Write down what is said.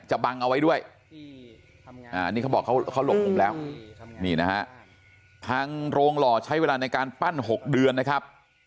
บังเอาไว้ด้วยอันนี้เขาบอกเขาหลบมุมแล้วนี่นะฮะทางโรงหล่อใช้เวลาในการปั้น๖เดือนนะครับ